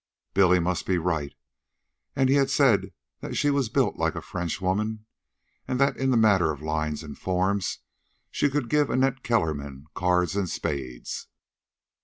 Billy must be right, and he had said that she was built like a French woman, and that in the matter of lines and form she could give Annette Kellerman cards and spades.